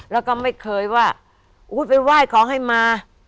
แล้วก็ไม่เคยว่าไปไหว้ของให้มา